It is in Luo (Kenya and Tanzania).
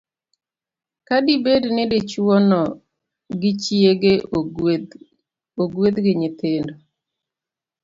Ka dibedi ni dichwo no gi chiege ogwedh gi nyithindo,